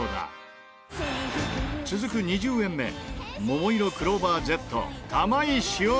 続く２０円目ももいろクローバーＺ玉井詩織。